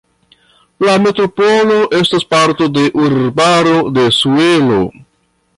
La metropolo estas parto de urbaro de Seulo.